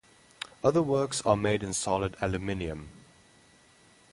Other works are made in solid aluminum.